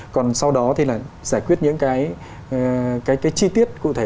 còn sau đó thì là giải quyết những cái chi tiết cụ thể